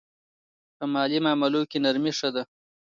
په مالي معاملو کې نرمي ښه ده.